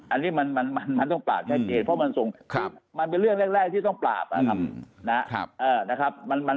อันนี้มันต้องปราบชัดเจนเพราะมันส่งมันเป็นเรื่องแรกที่ต้องปราบนะครับ